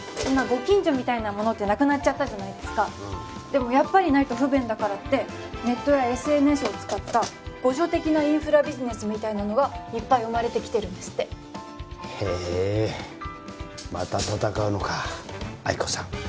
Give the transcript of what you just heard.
うん今ご近所みたいなものってなくなっちゃったじゃないですかでもやっぱりないと不便だからってネットやＳＮＳを使った互助的なインフラビジネスみたいなのがいっぱい生まれてきてるんですってへえまた戦うのか亜希子さん